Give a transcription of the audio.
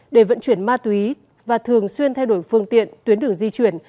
để vận chuyển ma túy và thường xuyên thay đổi phương tiện tuyến đường di chuyển